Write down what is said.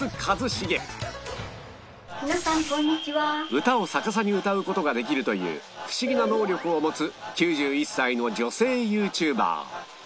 歌を逆さに歌う事ができるというフシギな能力を持つ９１歳の女性 ＹｏｕＴｕｂｅｒ